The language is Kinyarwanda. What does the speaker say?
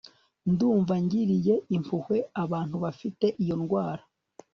Ndumva ngiriye impuhwe abantu bafite iyo ndwara